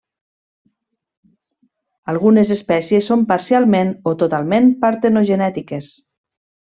Algunes espècies són parcialment o totalment partenogenètiques.